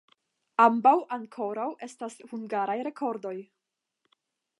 Ambaŭ ankoraŭ estas hungaraj rekordoj.